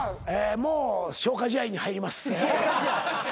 もう消化試合に入ります。